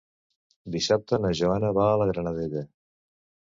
Dissabte na Joana va a la Granadella.